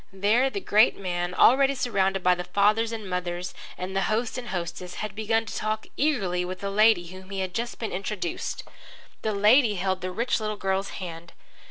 There the great man, already surrounded by the fathers and mothers and the host and the hostess, had begun to talk eagerly with a lady to whom he had just been introduced. The lady held the rich little girl's hand.